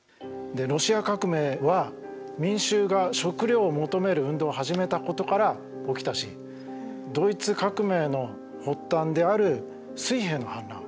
ロシア革命は民衆が食料を求める運動を始めたことから起きたしドイツ革命の発端である水兵の反乱。